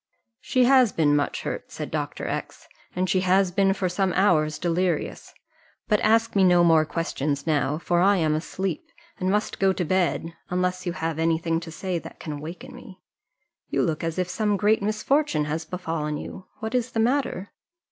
"She has been much hurt," said Dr. X , "and she has been for some hours delirious; but ask me no more questions now, for I am asleep, and must go to bed, unless you have any thing to say that can waken me: you look as if some great misfortune had befallen you; what is the matter?"